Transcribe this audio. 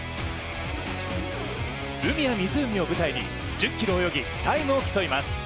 海や湖を舞台に１０ｋｍを泳ぎ、タイムを競います。